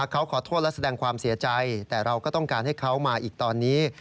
เขาขอโทษและแสดงความเสียใจแต่เราก็ต้องการให้เขามาอีกตอนนี้